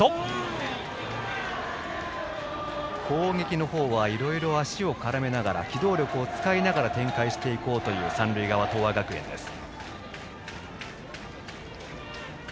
攻撃の方はいろいろと足を絡めながら機動力を使いながら展開していこうという三塁側、東亜学園です。